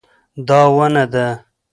دا ونه ده